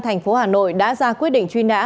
thành phố hà nội đã ra quyết định truy nã